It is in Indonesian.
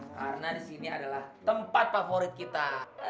karena di sini adalah tempat favorit kita